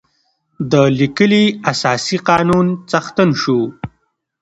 د لیکلي اساسي قانون څښتن شو.